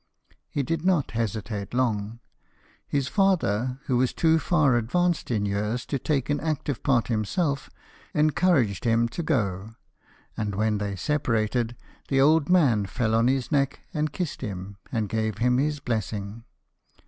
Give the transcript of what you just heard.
He did not hesitate long : his father, who was too far advanced in years to take an active part himself, encouraged him to go ; and when they separated, the old man fell on his neck and kissed him, and gave him his blessing.